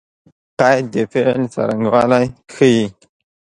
قید د فعل څرنګوالی ښيي.